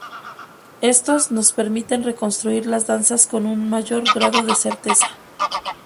Estos nos permiten reconstruir las danzas con un mayor grado de certeza.